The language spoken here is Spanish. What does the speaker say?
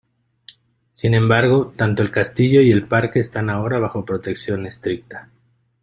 Sin embargo, tanto el castillo y el parque están ahora bajo protección estricta.